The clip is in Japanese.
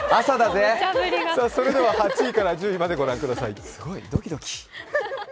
それでは８位から１０位までご覧ください。